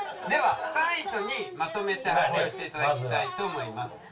では３位と２位まとめて発表していただきたいと思います。